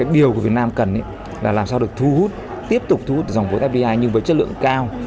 điều việt nam cần là làm sao được thu hút tiếp tục thu hút dòng vốn fdi nhưng với chất lượng cao